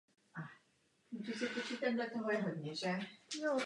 Má dvě dcery a syna.